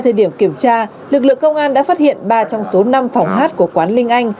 thời điểm kiểm tra lực lượng công an đã phát hiện ba trong số năm phòng hát của quán linh anh